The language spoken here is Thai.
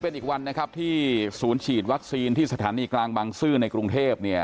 เป็นอีกวันนะครับที่ศูนย์ฉีดวัคซีนที่สถานีกลางบังซื้อในกรุงเทพเนี่ย